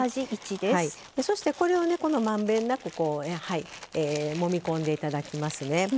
そして、これをまんべんなくもみ込んでいただきますね。